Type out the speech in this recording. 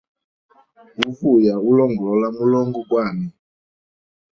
Uvuya ulongolola mulimo gwami.